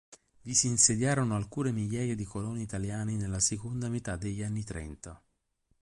Vi si insediarono alcune migliaia di coloni italiani nella seconda metà degli anni trenta.